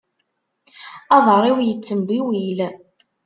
Aḍar-iw yettembiwil.